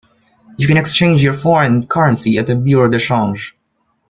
You can exchange your foreign currency at a bureau de change